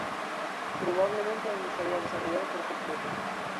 Probablemente aún no se había desarrollado por completo.